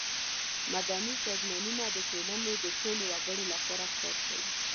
مدني سازمانونه د ټولنې د ټولو وګړو لپاره کار کوي.